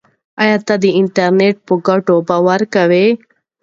ایا ته د انټرنیټ په ګټو باور لرې؟